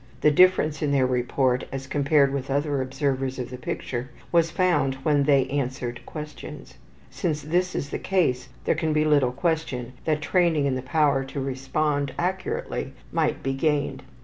The difference in their report as compared with other observers of the picture was found when they answered questions. Since this is the case, there can be little question that training in the power to respond accurately might be gained.